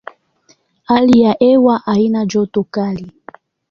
Hali ya hewa haina joto kali.